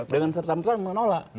dengan serta merta menolak